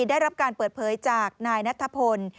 ได้รับการเปิดเผยจากนายนัทพล